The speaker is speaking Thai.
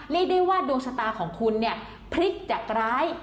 เรียกได้ว่าดวงชะตาของคุณเนี่ยพลิกจากร้าย